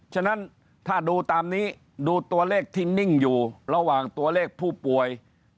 ฉะนั้นถ้าดูตามนี้ดูตัวเลขที่นิ่งอยู่ระหว่างตัวเลขผู้ป่วย